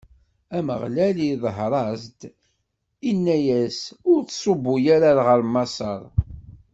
Ameɣlal iḍher-as-d, inna-as: Ur ttṣubbu ara ɣer Maṣer.